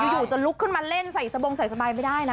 อยู่จะลุกขึ้นมาเล่นใส่สะบงใส่สบายไม่ได้นะ